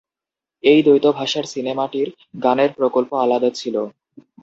এই দ্বৈত ভাষার সিনেমাটির গানের প্রকল্প আলাদা ছিল।